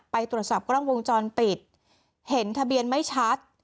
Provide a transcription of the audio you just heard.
ไปตรวจสอบกล้องวงจรปิดเห็นทะเบียนไม่ชัด